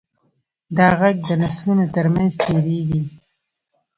دا غږ د نسلونو تر منځ تېرېږي.